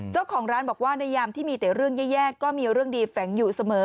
เจ้าของร้านบอกว่าในยามที่มีแต่เรื่องแย่ก็มีเรื่องดีแฝงอยู่เสมอ